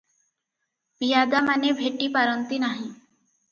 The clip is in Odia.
ପିଆଦାମାନେ ଭେଟି ପାରନ୍ତି ନାହିଁ ।